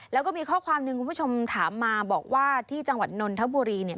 แล้วก็มีข้อความหนึ่งคุณผู้ชมถามมาบอกว่าที่จังหวัดนนทบุรีเนี่ย